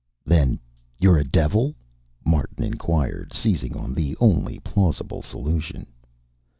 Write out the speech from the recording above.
"Then you're a devil?" Martin inquired, seizing on the only plausible solution.